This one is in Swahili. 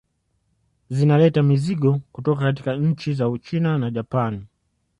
Zinaleta mizigo kutoka katika nchi za Uchina na Japani